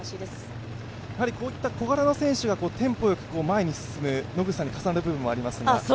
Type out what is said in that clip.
こういった小柄な選手が、テンポよく進んでいく野口さんに重なる部分もありますが。